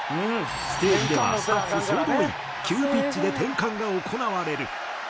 ステージではスタッフ総動員急ピッチで転換が行われる。